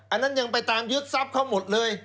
อันนั้นยังไปตามยึดทรัพย์เขาหมดเลย